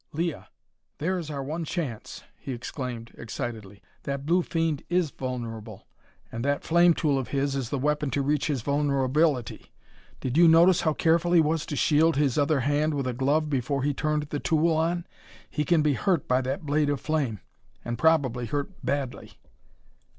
"Leah, there is our one chance!" he explained excitedly. "That blue fiend is vulnerable, and that flame tool of his is the weapon to reach his vulnerability. Did you notice how careful he was to shield his other hand with a glove before he turned the tool on? He can be hurt by that blade of flame, and probably hurt badly."